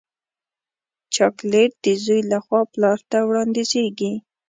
چاکلېټ د زوی له خوا پلار ته وړاندیزېږي.